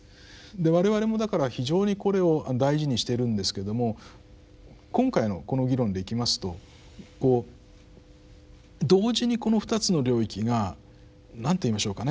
で我々もだから非常にこれを大事にしているんですけども今回のこの議論でいきますとこう同時にこの２つの領域がなんと言いましょうかね